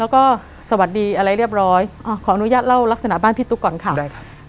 แล้วก็สวัสดีอะไรเรียบร้อยอ่าขออนุญาตเล่าลักษณะบ้านพี่ตุ๊กก่อนค่ะได้ครับ